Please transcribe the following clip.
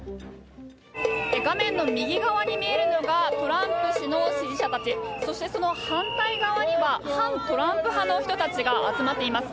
画面の右側に見えるのがトランプ氏の支持者たちそして、その反対側には反トランプ派の人たちが集まっています。